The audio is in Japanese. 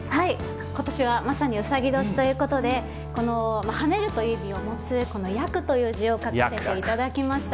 今年はまさにうさぎ年ということで跳ねるという意味を持つ「躍」という字を書かせてもらいました。